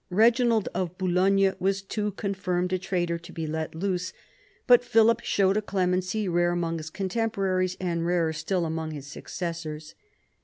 Eeginald of Boulogne was too confirmed a traitor to be let loose. But Philip showed a clemency rare among his contemporaries and rarer still among his successors.